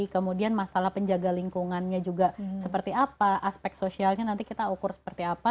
kemudian masalah penjaga lingkungannya juga seperti apa aspek sosialnya nanti kita ukur seperti apa